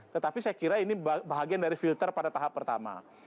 tetapi saya kira ini bahagian dari filter pada tahap pertama